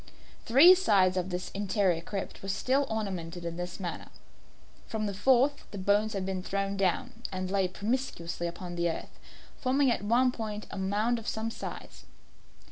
Three sides of this interior crypt were still ornamented in this manner. From the fourth side the bones had been thrown down, and lay promiscuously upon the earth, forming at one point a mound of some size.